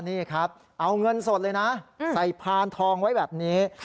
เอาเงินสดเลยนะใส่ผ่านทองไว้แบบนี้